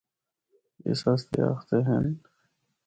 اس آسطے آخدے ہن۔